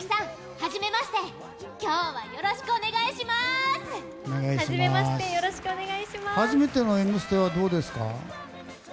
初めての「Ｍステ」はどうですか？